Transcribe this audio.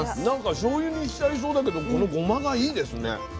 なんかしょうゆにしちゃいそうだけどこのごまがいいですね。